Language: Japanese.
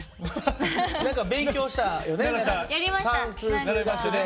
何か勉強したよね。